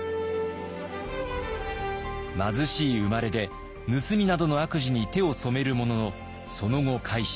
貧しい生まれで盗みなどの悪事に手を染めるもののその後改心。